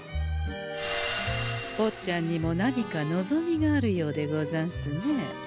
ぼっちゃんにも何か望みがあるようでござんすね？